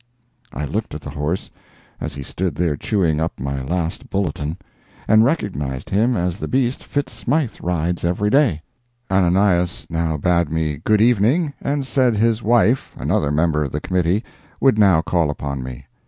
I looked at the horse, as he stood there chewing up my last Bulletin, and recognized him as the beast Fitz Smythe rides every day. Ananias now bade me good evening, and said his wife, another member of the Committee, would now call upon me.